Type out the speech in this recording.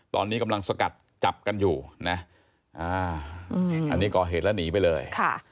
ตอนนี้กำลังสกัดจับกันอยู่นะอันนี้ก่อเหตุแล้วหนีไปเลย